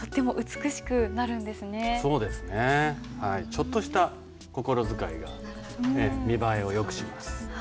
ちょっとした心遣いが見栄えをよくします。